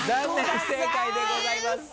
不正解でございます。